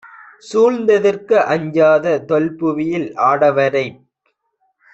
சூழ்ந்தெதிர்க்க அஞ்சாத தொல்புவியில், ஆடவரைப்